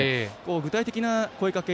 具体的な声かけ